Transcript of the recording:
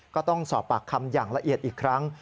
ก็ต้องสอบปากคำอย่างละเอียดอีกครั้ง